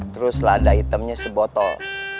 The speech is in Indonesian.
terus lada hitamnya sebotol